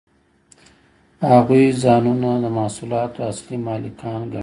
هغوی ځانونه د محصولاتو اصلي مالکان ګڼل